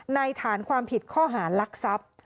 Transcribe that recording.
ฐานความผิดข้อหารักทรัพย์